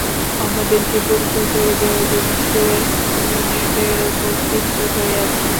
আমাদেরকে পরিচয় করে দেওয়ার জন্য সে লিনেটের উপর ক্ষিপ্ত হয়ে আছে!